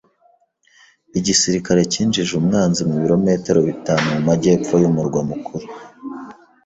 Igisirikare cyinjije umwanzi mu birometero bitanu mu majyepfo y'umurwa mukuru.